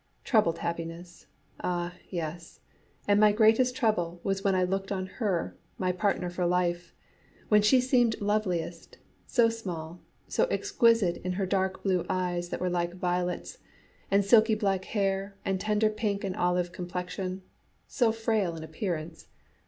Troubled happiness! Ah, yes, and my greatest trouble was when I looked on her, my partner for life, when she seemed loveliest, so small, so exquisite in her dark blue eyes that were like violets, and silky black hair and tender pink and olive complexion so frail in appearance!